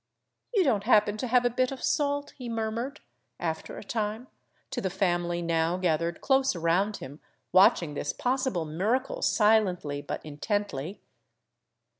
" You don't happen to have a bit of salt ?" he murmured, after a time, to the family now gathered close around him watching this pos sible miracle silently but intently.